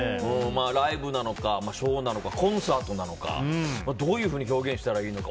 ライブなのか、ショーなのかコンサートなのかどういうふうに表現したらいいのか。